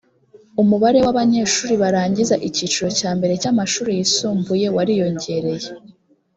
umubare w’abanyeshuri barangiza icyiciro cya mbere cy’amashuri yisumbuye wariyongereye